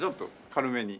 軽めに。